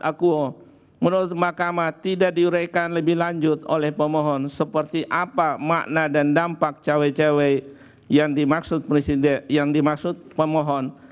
akuo menurut mahkamah tidak diuraikan lebih lanjut oleh pemohon seperti apa makna dan dampak cawe cawe yang dimaksud yang dimaksud pemohon